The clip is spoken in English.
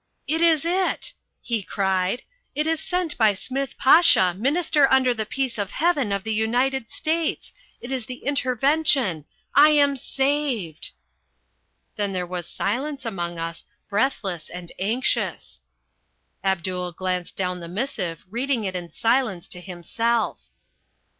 "It is it!" he cried. "It is sent by Smith Pasha, Minister under the Peace of Heaven of the United States. It is the Intervention. I am saved." Then there was silence among us, breathless and anxious. Abdul glanced down the missive, reading it in silence to himself.